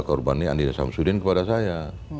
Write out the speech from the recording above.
korbannya andi samsudin kepada saya